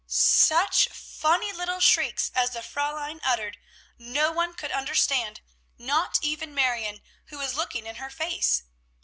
Such funny little shrieks as the Fräulein uttered, no one could understand, not even Marion, who was looking in her face.